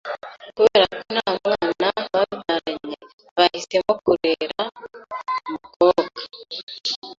Kubera ko nta mwana babyaranye, bahisemo kurera umukobwa.